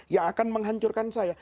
yang akan menghancurkan saya